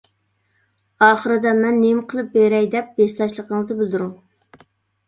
ئاخىرىدا «مەن نېمە قىلىپ بېرەي؟ » دەپ ھېسداشلىقىڭىزنى بىلدۈرۈڭ.